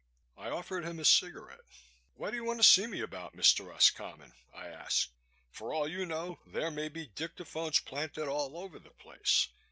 I offered him a cigarette. "What do you want to see me about, Mr. Roscommon?" I asked. "For all you know there may be dictaphones planted all over the place.